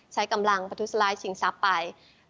ใช้กำลังประทุษร้ายชิงทรัพย์ไป